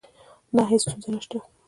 نه، هیڅ ستونزه نشته